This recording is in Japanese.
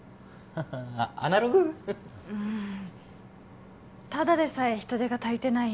はーアナログうーんただでさえ人手が足りてない